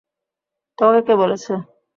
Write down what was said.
তোমাকে কে বলেছে?